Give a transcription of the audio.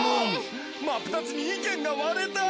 真っ二つに意見が割れた！